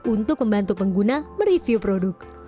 untuk membantu pengguna mereview produk